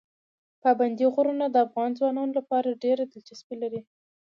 پابندي غرونه د افغان ځوانانو لپاره ډېره دلچسپي لري.